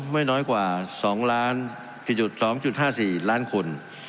ไม่น้อยกว่า๒๒๕๔ล้านคน